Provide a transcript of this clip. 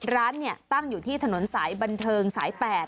ร้านตั้งอยู่ที่ถนนสายบันเทิงสาย๘